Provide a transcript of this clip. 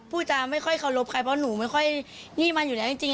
ผู้จะไม่ค่อยเคารพใครเพราะหนูไม่ค่อยหนี้มันอยู่แล้วจริง